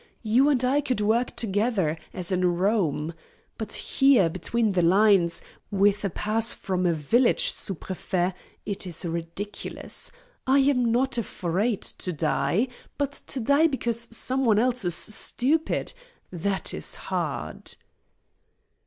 You and I could work together, as in Rome. But here, between the lines, with a pass from a village sous prefet, it is ridiculous. I am not afraid to die. But to die because some one else is stupid, that is hard."